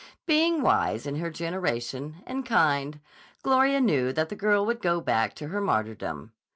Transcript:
Being wise in her generation and kind, Gloria knew that the girl would go back to her martyrdom.